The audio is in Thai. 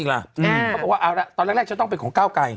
เขาบอกว่าเอาละตอนแรกจะต้องเป็นของก้าวไกร